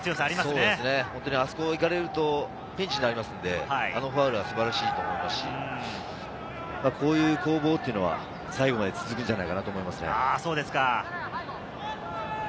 あそこに行かれるとピンチになりますので、あのファウルは素晴らしいと思いますし、こういう攻防というのは最後まで続くんじゃないかなと思います。